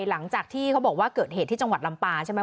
หลังจากที่เขาบอกว่าเกิดเหตุที่จังหวัดลำปาใช่ไหม